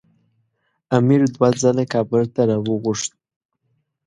امیر دوه ځله کابل ته راوغوښت.